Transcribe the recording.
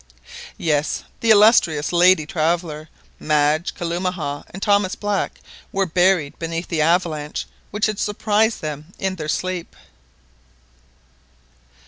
Yes, the illustrious lady traveller, Madge, Kalumah, and Thomas Black, were buried beneath the avalanche which had surprised them in their sleep!